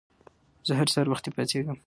زه هر سهار وخته پاڅيږم